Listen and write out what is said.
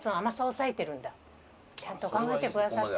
ちゃんと考えてくださって。